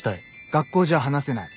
「学校じゃ話せない。